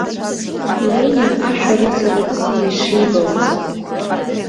Ленин ашәарыцара бзиа ишибауаз.